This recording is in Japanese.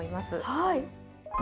はい！